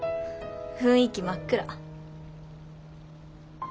雰囲気真っ暗。